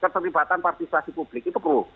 keterlibatan partisipasi publik itu perlu